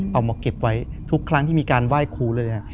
เอามาเก็บไว้ทุกครั้งที่มีการไหว้ครูเลย